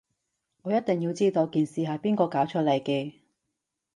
我一定要知道件事係邊個搞出嚟嘅